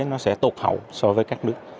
nó sẽ tột hậu so với các nước